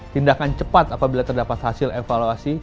tindakan cepat apabila terdapat hasil evaluasi